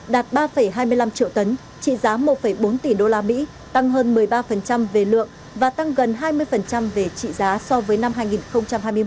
đạt ba hai mươi năm triệu tấn trị giá một bốn tỷ usd tăng hơn một mươi ba về lượng và tăng gần hai mươi về trị giá so với năm hai nghìn hai mươi một